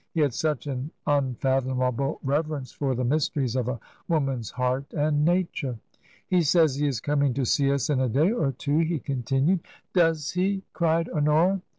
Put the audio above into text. He had such an unfathomable reverence for the mysteries of a woman's heart and nature. " He says he is coming to see us in a day or two," he continued. " Does he ?" cried Honora.